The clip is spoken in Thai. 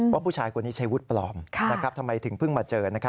ว่าผู้ชายคนนี้ใช้วุฒิปลอมทำไมถึงเพิ่งมาเจอ